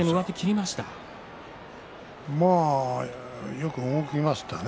よく動きましたね。